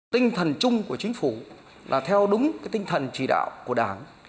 tinh thần chung của chính phủ là theo đúng tinh thần chỉ đạo của đảng